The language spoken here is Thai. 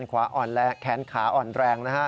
แค้นขาอ่อนแรง